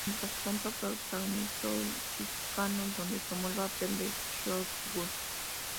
Mientras tanto, protagonizó "El Chicano", donde tomó el papel de Shotgun.